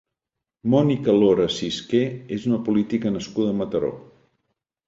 Mònica Lora Cisquer és una política nascuda a Mataró.